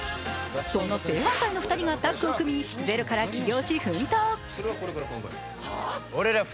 正反対の２人がタッグを組みゼロから起業し奮闘。